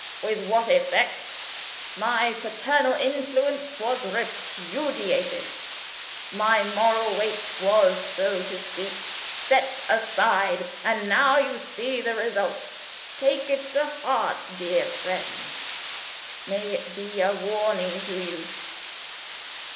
With what effect? My paternal influence was repudiated; my Moral Weight was, so to speak, set aside. And now you see the result. Take it to heart, dear friend. May it be a warning to you!"